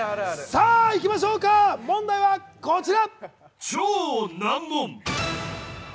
さあいきましょうか、問題はこちら。